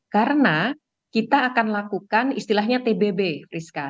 karena kita akan lakukan istilahnya tbb rizka